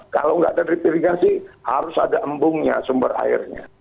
kalau nggak ada retirigasi harus ada embungnya sumber airnya